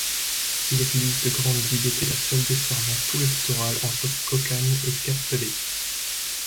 L'église de Grande-Digue était la seule desservant tout le littoral entre Cocagne et Cap-Pelé.